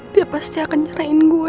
dia pasti akan nyerahin gue